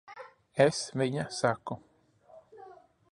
Es viņa saku.